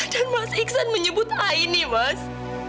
dan mas iksan menyebut aini mas